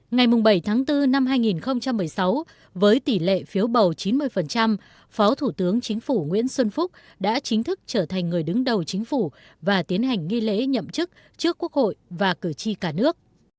ngày bảy tháng bốn năm hai nghìn một mươi sáu với tỷ lệ phiếu bầu chín mươi phó thủ tướng chính phủ nguyễn xuân phúc đã chính thức trở thành người đứng đầu chính phủ và tiến hành nghi lễ nhậm chức trước quốc hội và cử tri cả nước